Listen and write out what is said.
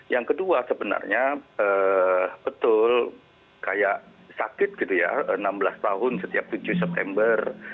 yang kedua sebenarnya betul kayak sakit gitu ya enam belas tahun setiap tujuh september